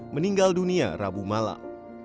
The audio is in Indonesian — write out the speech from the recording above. meninggal dunia rabu malak